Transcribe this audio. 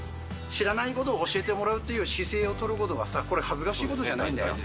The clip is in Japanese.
知らないことを教えてもらうっていう姿勢を取ることがさ、これ、恥ずかしいことじゃないんだよ。